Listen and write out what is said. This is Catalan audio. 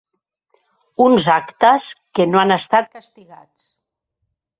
Uns actes que no han estat castigats.